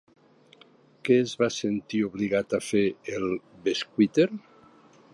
Què es va sentir obligat a fer, el bescuiter?